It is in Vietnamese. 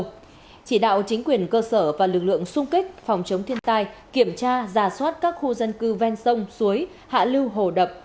chỉ đạo chính quyền cơ sở và lực lượng sung kích phòng chống thiên tai kiểm tra giả soát các khu dân cư ven sông suối hạ lưu hồ đập